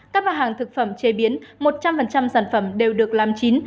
các bà hàng thực phẩm chế biến một trăm linh sản phẩm đều được làm chín